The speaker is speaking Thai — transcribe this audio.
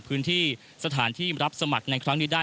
พื้นที่สถานที่รับสมัครในครั้งนี้ได้